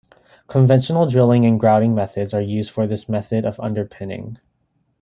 Conventional drilling and grouting methods are used for this method of underpinning.